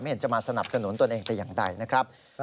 เห็นจะมาสนับสนุนตนเองแต่อย่างใดนะครับ